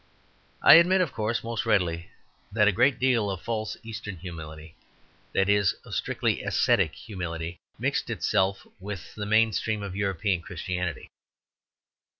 I admit, of course, most readily, that a great deal of false Eastern humility (that is, of strictly ascetic humility) mixed itself with the main stream of European Christianity.